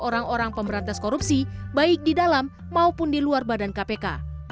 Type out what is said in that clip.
orang orang pemberantas korupsi baik di dalam maupun di luar badan kpk